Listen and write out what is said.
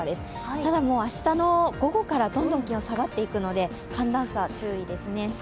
ただ、明日の午後からどんどん気温が下がっていくので寒暖差、注意ですね。